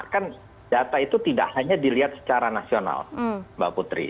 kan data itu tidak hanya dilihat secara nasional mbak putri